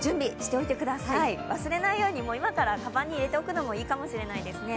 忘れないように今からかばんに入れておくのもいいかもしれないですね。